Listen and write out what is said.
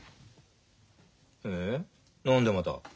へえ何でまた？